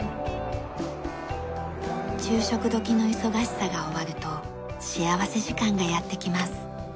昼食時の忙しさが終わると幸福時間がやってきます。